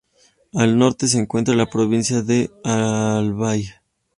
Al norte se encuentra la provincia de Albay.